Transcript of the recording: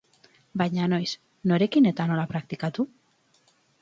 Baina noiz, norekin eta nola praktikatu?